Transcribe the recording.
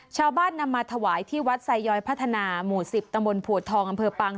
ชาวบ้านนำมาถวายที่วัดไซยอยพัฒนาหมู่๑๐ตำบลผัวทองอำเภอปัง